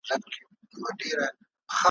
له فراقه دي کړیږم، تر وصاله دي ژړیږم.